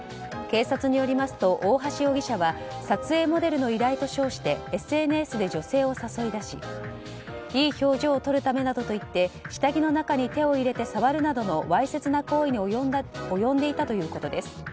警察によりますと大橋容疑者は撮影モデルの依頼と称してＳＮＳで女性を誘い出し良い表情を撮るためなどと言って下着の中に手を入れて触るなどのわいせつな行為に及んでいたということです。